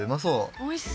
おいしそう。